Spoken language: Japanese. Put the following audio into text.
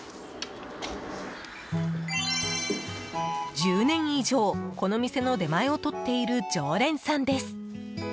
１０年以上この店の出前をとっている常連さんです。